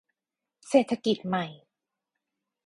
เศรษฐกิจใหม่